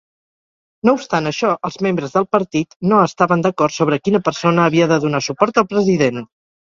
No obstant això, els membres del partit no estaven d'acord sobre quina persona havia de donar suport al president.